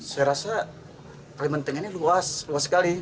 saya rasa kalimantan ini luas luas sekali